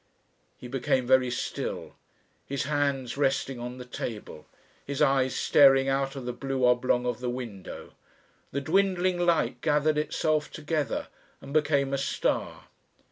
He became very still, his hands resting on the table, his eyes staring out of the blue oblong of the window. The dwindling light gathered itself together and became a star.